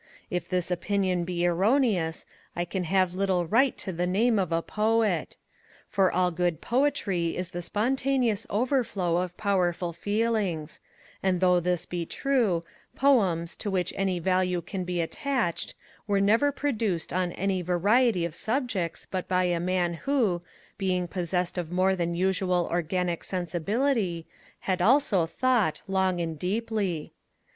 If this opinion be erroneous, I can have little right to the name of a Poet. For all good poetry is the spontaneous overflow of powerful feelings: and though this be true, Poems to which any value can be attached were never produced on any variety of subjects but by a man who, being possessed of more than usual organic sensibility, had also thought long and deeply.